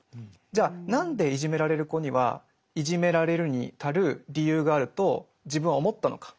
じゃあ何でいじめられる子にはいじめられるに足る理由があると自分は思ったのか。